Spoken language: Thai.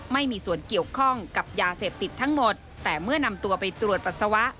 ไม่มีส่วนเกี่ยวข้องกับยาเสพติดทั้งหมดแต่เมื่อนำตัวไปตรวจปัสสาวะ